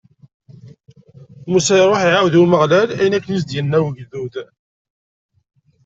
Musa iṛuḥ, iɛawed i Umeɣlal ayen akken i s-d-inna ugdud.